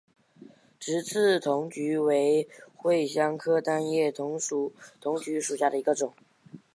直刺藤橘为芸香科单叶藤橘属下的一个种。